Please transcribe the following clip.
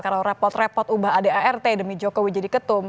kalau repot repot ubah adart demi jokowi jadi ketum